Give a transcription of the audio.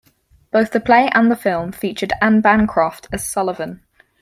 Both the play and film featured Anne Bancroft as Sullivan.